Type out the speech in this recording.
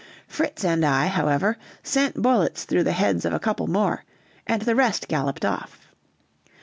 Fritz and I, however, sent bullets through the heads of a couple more, and the rest galloped off.